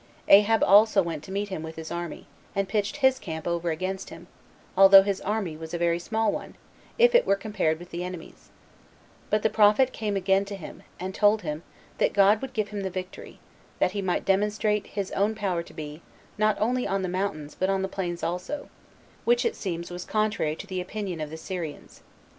Ahab also went to meet him with his army, and pitched his camp over against him, although his army was a very small one, if it were compared with the enemy's; but the prophet came again to him, and told him, that God would give him the victory, that he might demonstrate his own power to be, not only on the mountains, but on the plains also; which it seems was contrary to the opinion of the Syrians.